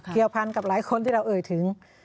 เกี่ยวพันกับหลายคนที่เราเอ่ยถึง